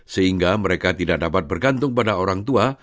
sehingga mereka tidak dapat bergantung pada orang tua